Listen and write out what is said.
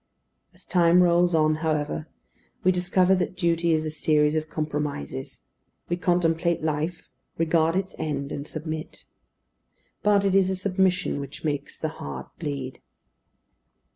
As time rolls on, however, we discover that duty is a series of compromises; we contemplate life, regard its end, and submit; but it is a submission which makes the heart bleed.